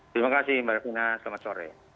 terima kasih mbak revina selamat sore